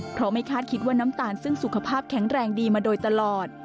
เพราะไม่คาดคิดว่าน้ำตาลซึ่งสุขภาพแข็งแรงดีมาโดยตลอด